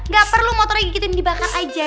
gak perlu motornya digigitin dibakar aja